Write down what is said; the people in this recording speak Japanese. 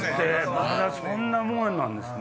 まだそんなもんなんですね。